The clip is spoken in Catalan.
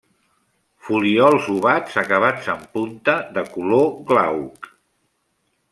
Folíols ovats acabats en punta, de color glauc.